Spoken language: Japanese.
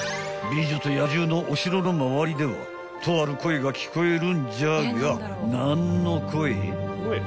［『美女と野獣』のお城の周りではとある声が聞こえるんじゃが何の声？］